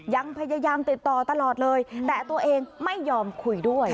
ยังพยายามติดต่อตลอดเลยแต่ตัวเองไม่ยอมคุยด้วย